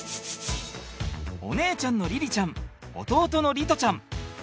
お姉ちゃんの凛々ちゃん弟の璃士ちゃん。